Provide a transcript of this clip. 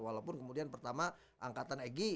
walaupun kemudian pertama angkatan egy